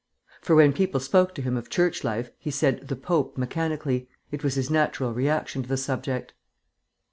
For when people spoke to him of Church life, he said "the Pope" mechanically; it was his natural reaction to the subject.